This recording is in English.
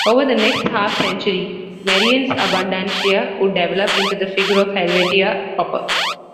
Over the next half-century, Merian's "Abundantia" would develop into the figure of "Helvetia" proper.